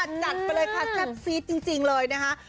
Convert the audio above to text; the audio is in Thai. จัดไปเลยค่ะแซ่บซีดจริงเลยนะคะ